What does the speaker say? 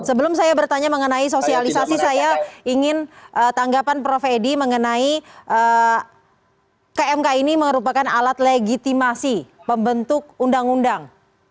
sebelum saya bertanya mengenai sosialisasi saya ingin tanggapan prof edi mengenai kmk ini merupakan alat legitimasi pembentuk undang undang